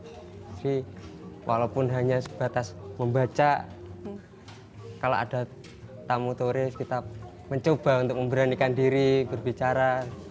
jadi walaupun hanya sebatas membaca kalau ada tamu turis kita mencoba untuk memberanikan diri berbicara